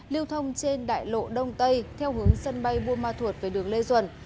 lưu thông trên đại lộ đông tây theo hướng sân bay buôn ma thuột về đường lê duẩn